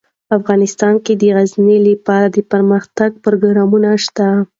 افغانستان کې د غزني لپاره دپرمختیا پروګرامونه شته.